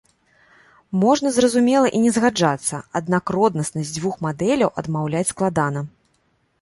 Можна, зразумела, і не згаджацца, аднак роднаснасць дзвюх мадэляў адмаўляць складана.